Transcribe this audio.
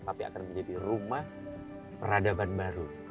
tapi akan menjadi rumah peradaban baru